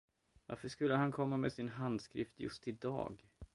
Varför skulle han komma med sin handskrift just i dag?